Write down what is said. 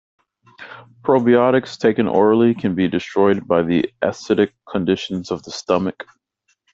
Probiotics taken orally can be destroyed by the acidic conditions of the stomach.